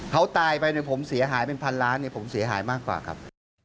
เขาตายไปเนี่ยผมเสียหายเป็นพันล้านเนี่ยผมเสียหายมากกว่าครับ